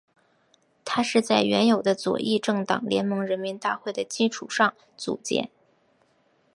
它是在原有的左翼政党联盟人民大会的基础上组建。